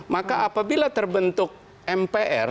maka apabila terbentuk mpr